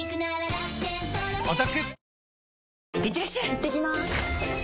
いってきます！